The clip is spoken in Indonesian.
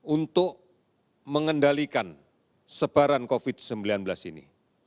untuk mengendalikan sebaran covid sembilan belas ini